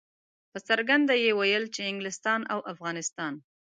په څرګنده یې ویل چې انګلستان او افغانستان.